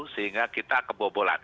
sehingga kita kebobolan